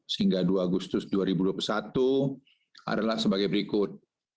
sehingga dua agustus dua ribu dua puluh satu adalah sebagai berikut